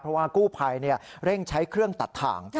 เพราะว่ากู้ภัยเร่งใช้เครื่องตัดถ่าง